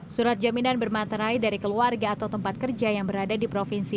surat jaminan bermaterai dari keluarga atau tempat kerja yang berada di provinsi